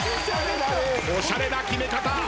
おしゃれな決め方。